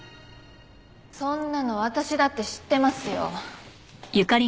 そんなの私だって知ってますよ。